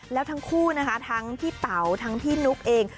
แล้วทั้งคู่นะคะทั้งพี่เต๋าทั้งพี่นุ๊กเอง